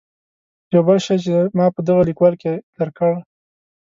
یو بل شی چې ما په دغه لیکوال کې درک کړ.